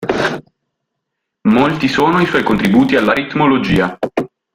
Molti sono i suoi contributi all'aritmologia.